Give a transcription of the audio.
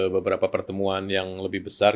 beberapa pertemuan yang lebih besar